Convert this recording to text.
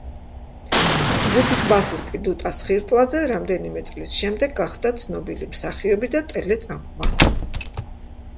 ჯგუფის ბასისტი, დუტა სხირტლაძე, რამდენიმე წლის შემდეგ გახდა ცნობილი მსახიობი და ტელეწამყვანი.